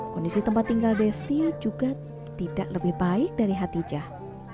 kondisi tempat tinggal desti juga tidak lebih baik dari hatijah